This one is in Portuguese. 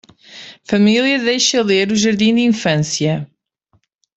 Família deixe-a ler o jardim de infância